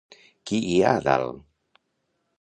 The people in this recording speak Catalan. Qui hi ha dalt?